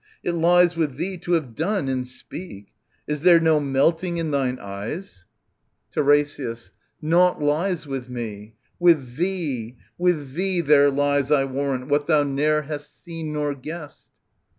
It lies with thee to have done And speak. Is there no melting in thine eyes I 19 SOPHOCLES TT. 337 351 TiRESIAS. Naught lies with me ! With thee, with thee there h'es, I warrant, what thou ne'er hast seen nor guessed.